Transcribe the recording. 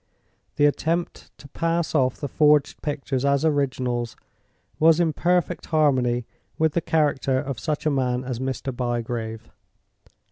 The attempt to pass off the forged pictures as originals was in perfect harmony with the character of such a man as Mr. Bygrave.